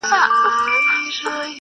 نه هغه تللې زمانه سته زه به چیري ځمه!!